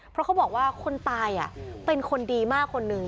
เพราะเขาบอกว่าคนตายเป็นคนดีมากคนหนึ่ง